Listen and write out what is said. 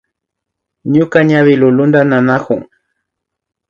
Ñuka ñawi lulunta nanakun